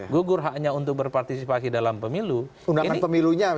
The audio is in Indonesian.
gugur haknya untuk berpartisipasi dalam pemilu